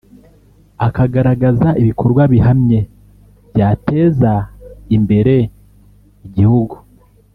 akagaragaza ibikorwa bihamye byateza imbere igihugu